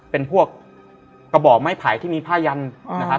เป็นพวกกระบอกไม้ไผ่ที่มีผ้ายันนะครับ